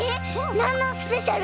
なんのスペシャル？